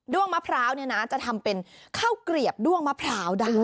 ้วงมะพร้าวเนี่ยนะจะทำเป็นข้าวเกลียบด้วงมะพร้าวได้